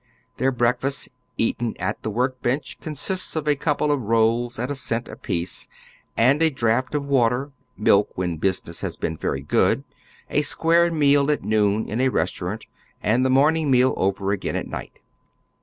Tlieir breakfast, eaten at the work bench, consists of a couple of rolls at a cent a piece, and a draught of water, milk when business has been very good, a square meal at noon in a restaurant, and the morning meal over again at night.